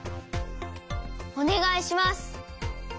おねがいします！